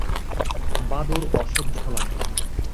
বাদুড় অসহ্য লাগে।